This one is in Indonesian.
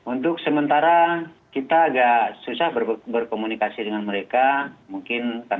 untuk sementara kita agak susah berkomunikasi dengan mereka mungkin karena kesibukan ya